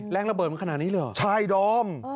แรงระเบิดมันขนาดนี้หรืออ่ะใช่ดอม